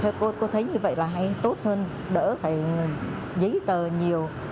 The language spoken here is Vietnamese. theo cô thì cô thấy như vậy là hay tốt hơn đỡ phải giấy tờ nhiều